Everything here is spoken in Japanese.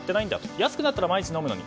安くなったら毎日飲むのに。